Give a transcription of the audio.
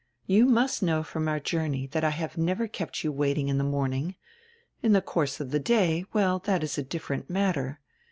"You must know from our journey that I have never kept you waiting in die morn ing. In die course of die day — well, that is a different matter.